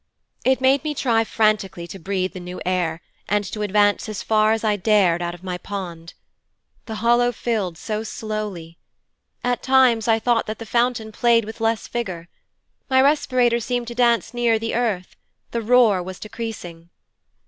It made me try frantically to breathe the new air, and to advance as far as I dared out of my pond. The hollow filled so slowly. At times I thought that the fountain played with less vigour. My respirator seemed to dance nearer the earth; the roar was decreasing.'